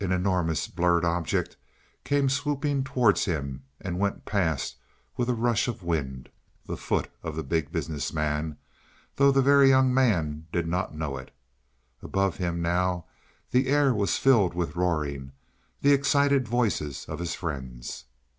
An enormous blurred object came swooping towards him, and went past with a rush of wind the foot of the Big Business Man, though the Very Young Man did not know it. Above him now the air was filled with roaring the excited voices of his friends.